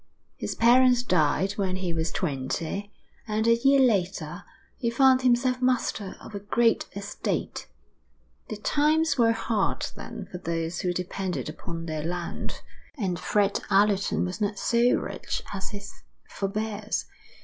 His parents died when he was twenty, and a year later he found himself master of a great estate. The times were hard then for those who depended upon their land, and Fred Allerton was not so rich as his forebears.